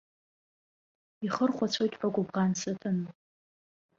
Ухырхәацәоит ҳәа гәыбӷан сыҭаны.